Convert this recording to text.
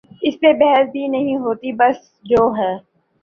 اس پہ بحث بھی نہیں ہوتی بس جو ہے۔